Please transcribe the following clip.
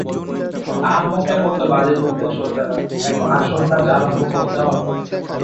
আহাম্মকের মত বাজে বকলে চলবে না, এখন আসল কাজ আরম্ভ করতে হবে।